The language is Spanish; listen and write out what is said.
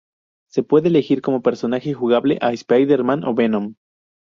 Se puede elegir como personaje jugable a Spider-Man o Venom.